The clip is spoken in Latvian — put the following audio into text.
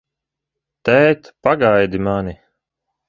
Tēt, pagaidi mani!